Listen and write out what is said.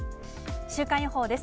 週間予報です。